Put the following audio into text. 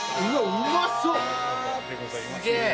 うまそう！